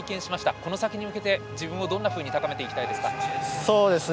この先に向けて自分をどんなふうに高めていきたいですか？